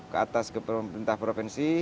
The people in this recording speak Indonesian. ke atas ke pemerintah provinsi